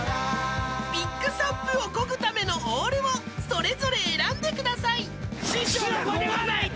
［ビッグサップをこぐためのオールをそれぞれ選んでください］